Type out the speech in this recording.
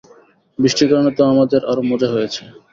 বৃষ্টির কারণে তো আমাদের, আরও মজা হয়েছে।